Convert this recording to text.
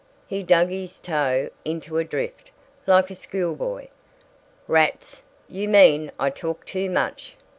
He dug his toe into a drift, like a schoolboy. "Rats. You mean I talk too much.